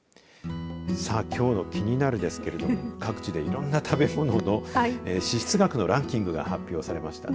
さあ、きょうのキニナル！ですけれども各地でいろんな食べ物の支出額のランキングが発表されましたね。